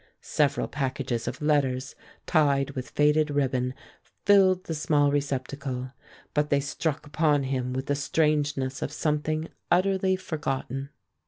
Several packages of letters tied with faded ribbon filled the small receptacle, but they struck upon him with the strangeness of something utterly forgotten.